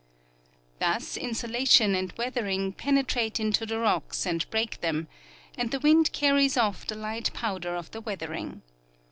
Thus insolation and weathering penetrate into the rocks and break them, and the wind carries off the light powder of the weathering.